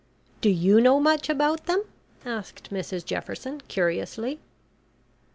"Do you know much about them?" asked Mrs Jefferson curiously.